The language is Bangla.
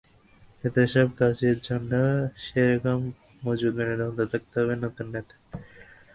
এত সব কাজের জন্য সে রকম মজবুত মেরুদণ্ড থাকতে হবে নতুন নেতার।